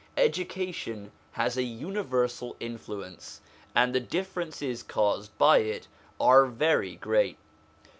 Education has a universal influence, and the differences caused by it are very great.